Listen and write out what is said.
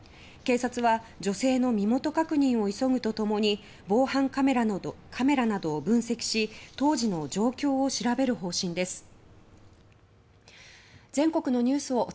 警察は女性の身元確認を急ぐと共に防犯カメラなどを分析し当時の状況を調べる方針です。